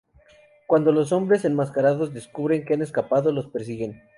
Cuando los hombres enmascarados descubren que han escapado los persiguen.